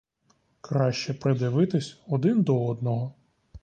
Краще придивитись один до одного.